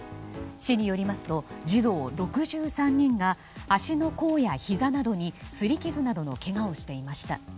市によりますと児童６３人が足の甲やひざなどに擦り傷などのけがをしていました。